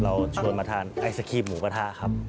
เราชวนมาทานไอศครีมหมูกระทะครับ